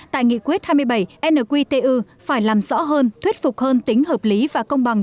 tại nghị quyết hai mươi bảy nqtu phải làm rõ hơn thuyết phục hơn tính hợp lý và công bằng